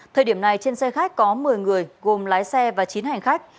thời điểm này trên xe khách có một mươi người gồm lái xe và chín hành khách